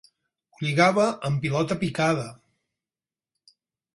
Ho lligava en pilota picada.